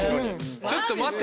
ちょっと待って。